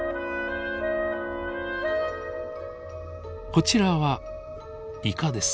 こちらはイカです。